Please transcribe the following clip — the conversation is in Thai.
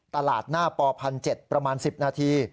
ตลาดหน้าปพันเจ็ดประมาณ๑๐นาที